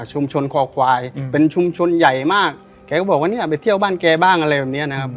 คอควายเป็นชุมชนใหญ่มากแกก็บอกว่าเนี่ยไปเที่ยวบ้านแกบ้างอะไรแบบเนี้ยนะครับ